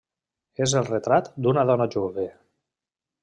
És el retrat d'una dona jove.